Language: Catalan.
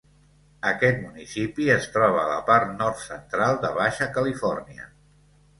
Aquest municipi es troba a la part nord-central de Baixa Califòrnia.